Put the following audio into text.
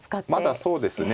まだそうですね